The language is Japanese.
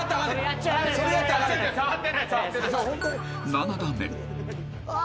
［７打目］